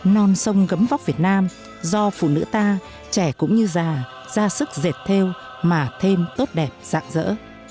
non sông gấm vóc việt nam do phụ nữ ta trẻ cũng như già ra sức dệt thêu mà thêm tốt đẹp dạng dỡ